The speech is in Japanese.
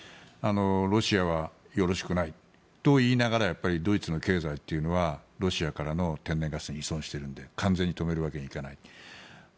ロシアはよろしくないと言いながらドイツの経済というのはロシアからの天然ガスに依存しているので完全に止めるわけにはいかない。